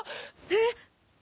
えっ！